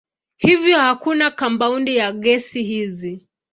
Hivyo hakuna kampaundi za gesi hizi.